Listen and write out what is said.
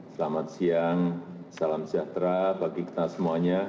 selamat siang salam sejahtera bagi kita semuanya